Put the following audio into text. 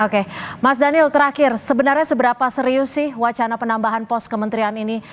oke mas daniel terakhir sebenarnya seberapa serius sih wacana penambahan pos kementerian ini